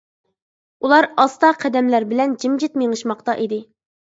ئۇلار ئاستا قەدەملەر بىلەن جىمجىت مېڭىشماقتا ئىدى.